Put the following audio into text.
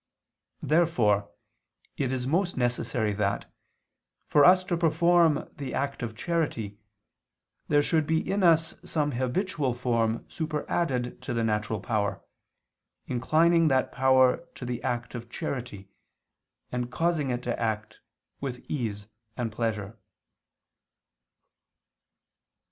Therefore it is most necessary that, for us to perform the act of charity, there should be in us some habitual form superadded to the natural power, inclining that power to the act of charity, and causing it to act with ease and pleasure.